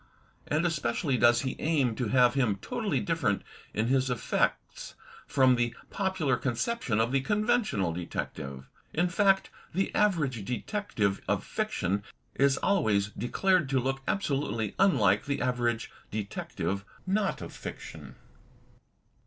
And especially does he aim to have him totally different in his effects from the popular con ception of the conventional detective. In fact the average detective of fiction is always declared to look absolutely unlike the average detective of fiction.